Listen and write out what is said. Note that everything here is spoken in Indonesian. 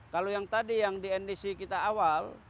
kalau yang tadi yang di ndc kita awal